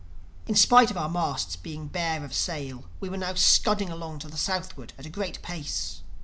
In spite of our masts being bare of sail we were now scudding along to the southward at a great pace.